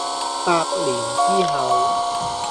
百年之後